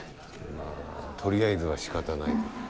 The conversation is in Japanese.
まあとりあえずはしかたないか。